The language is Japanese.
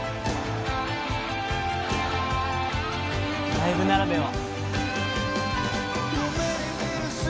ライブならでは。